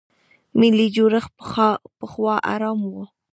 ملي جوړښت پخوا حرام و.